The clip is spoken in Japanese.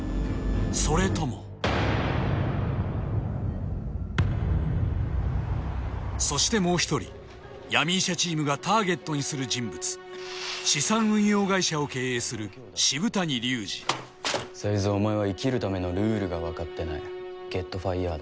それともそしてもう一人闇医者チームがターゲットにする人物資産運用会社を経営する才津お前は生きるためのルールがわかってないＧｅｔｆｉｒｅｄ